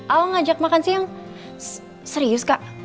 awal ngajak makan siang serius kak